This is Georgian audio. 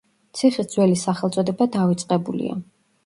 ციხის ძველი სახელწოდება დავიწყებულია.